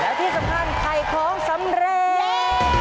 แล้วที่สำคัญไข่ของสำเร็จ